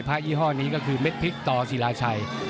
ยี่ห้อนี้ก็คือเม็ดพริกต่อศิลาชัย